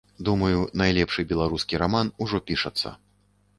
Думаю, найлепшы беларускі раман ужо пішацца.